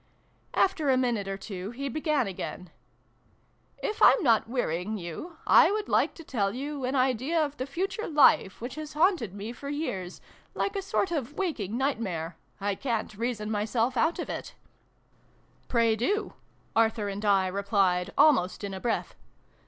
After a minute or two he began again. " If I'm not wearying you, I would like to tell you an idea of the future Life which has haunted me for years, like a sort of waking night mare 1 ca'n't reason myself out of it." s 258 SYLVIE AND BRUNO CONCLUDED. " Pray do," Arthur and I replied, almost in a breath.